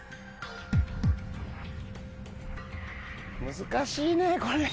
難しいねこれ。